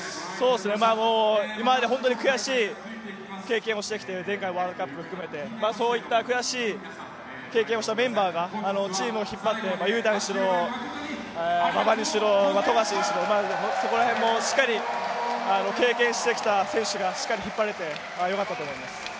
今まで本当に悔しい経験をしてきて、前回のワールドカップを含めてそういった悔しい経験をしたメンバーがチームを引っ張って雄太にしろ、馬場にしろ富樫にしろ、そこら辺もしっかり経験してきた選手がしっかり引っ張れてよかったと思います。